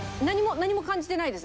何も感じてないです？